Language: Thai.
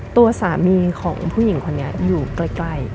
ตัวสามีของผู้หญิงคนนี้อยู่ใกล้